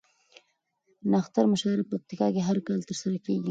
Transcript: نښتر مشاعره په پکتيا کې هر کال ترسره کیږي